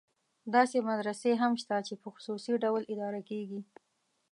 داسې مدرسې هم شته چې په خصوصي ډول اداره کېږي.